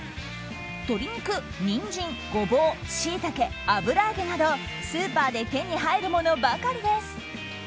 鶏肉、ニンジン、ゴボウシイタケ、油揚げなどスーパーで手に入るものばかりです。